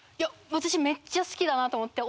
私めっちゃ好きだなと思って。